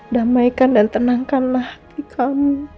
damaikan dan tenangkanlah hati kamu